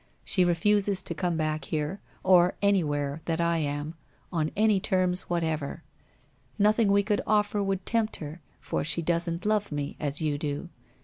She refuses to come back here, or anywhere that I am, on any terms whatever. Nothing we could offer would tempt her, for she doesn't love me as you do.